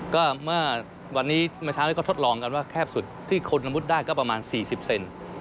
ก็เมื่อวันนี้เมื่อเช้านี้ก็ทดลองกันว่าแคบสุดที่คนละมุดได้ก็ประมาณ๔๐เซน